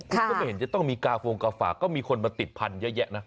ก็ไม่เห็นจะต้องมีกาโฟงกาฝาก็มีคนมาติดพันธุ์เยอะแยะนะ